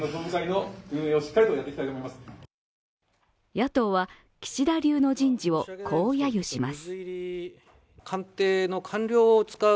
野党は岸田流の人事をこうやゆします。